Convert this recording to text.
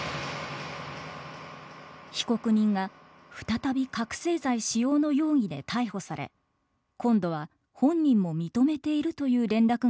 被告人が再び覚せい剤使用の容疑で逮捕され今度は本人も認めているという連絡が来たのです。